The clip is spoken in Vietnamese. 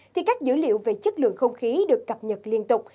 thì các dữ liệu về chất lượng không khí được cập nhật liên tục